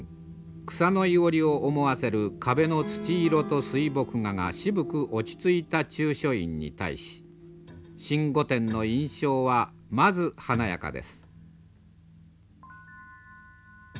草の庵を思わせる壁の土色と水墨画が渋く落ち着いた中書院に対し新御殿の印象はまず華やかです。